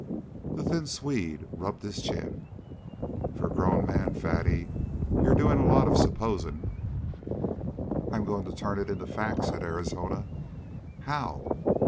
The thin Swede rubbed his chin. "For a grown man, Fatty, you're doing a lot of supposing." "I'm going to turn it into fact," said Arizona. "How?"